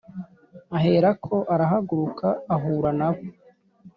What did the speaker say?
Aherako aragaruka ahura nabo.